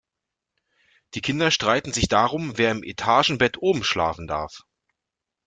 Die Kinder streiten sich darum, wer im Etagenbett oben schlafen darf.